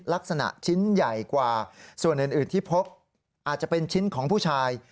ลักษณะชิ้นใหญ่กว่าส่วนอื่นที่พบอาจจะเป็นชิ้นของผู้ชาย